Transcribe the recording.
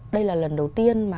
đây là lần đầu tiên mà